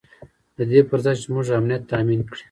د دې پر ځای چې زموږ امنیت تامین کړي.